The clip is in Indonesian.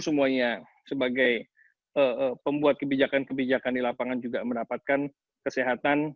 semuanya sebagai pembuat kebijakan kebijakan di lapangan juga mendapatkan kesehatan